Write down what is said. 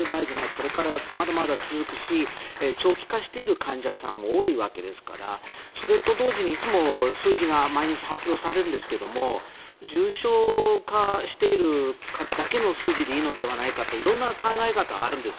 これからまだまだ続くし長期化している患者さんも多いわけですからそれと同時に、いつも数字が毎日発表されるんですが重症化している方だけの数字でいいのではないかと色んな考え方あるんです。